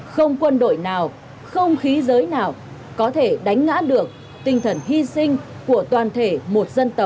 không quân đội nào không khí giới nào có thể đánh ngã được tinh thần hy sinh của toàn thể một dân tộc